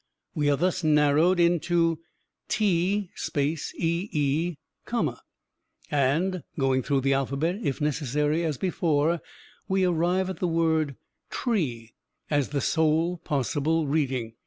We are thus narrowed into t ee, and, going through the alphabet, if necessary, as before, we arrive at the word 'tree,' as the sole possible reading.